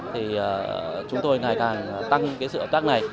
thì chúng tôi ngày càng tăng cái sự hợp tác này